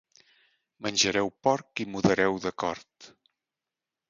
Menjareu porc i mudareu d'acord.